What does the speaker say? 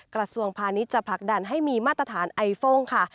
กระทรวงพาณิชย์จะผลักดันให้มีมาตรฐานไอโฟ่งค่ะ